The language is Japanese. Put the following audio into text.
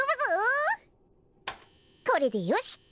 これでよしっと！